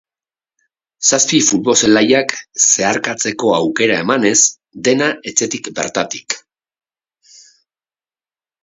Zazpi futbol-zelaiak zeharkatzeko aukera emanez, dena etxetik bertatik.